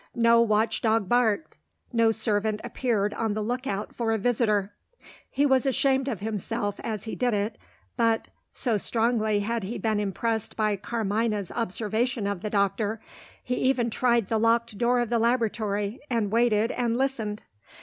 No watch dog barked; no servant appeared on the look out for a visitor. He was ashamed of himself as he did it, but (so strongly had he been impressed by Carmina's observation of the doctor) he even tried the locked door of the laboratory, and waited and listened!